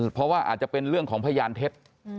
เพราะว่าอาจจะเป็นเรื่องของพยานเท็จ